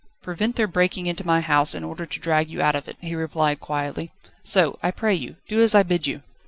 "Prevent their breaking into my house in order to drag you out of it," he replied quietly; "so, I pray you, do as I bid you."